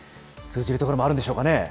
通じるところもあるんでしょうかね。